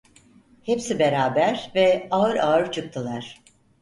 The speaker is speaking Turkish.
Hepsi beraber ve ağır ağır çıktılar.